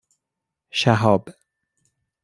شهاب